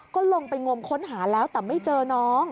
ก็ลงไปงมค้นหาแล้วแต่ไม่เจอน้อง